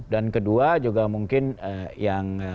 dan kedua juga mungkin yang